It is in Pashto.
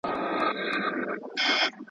اوبه کړی مو په وینو دی ګلشن خپل.